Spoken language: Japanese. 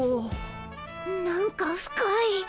なんか深い。